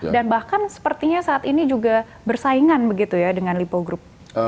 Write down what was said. dan bahkan sepertinya saat ini juga bersaingan begitu ya dengan lipo group